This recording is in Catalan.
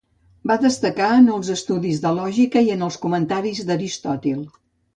Va destacar en els estudis de lògica i en els comentaris a Aristòtil.